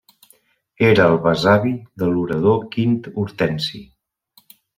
Era el besavi de l'orador Quint Hortensi.